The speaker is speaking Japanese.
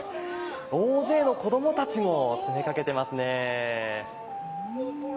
大勢の子供たちも詰めかけていますね。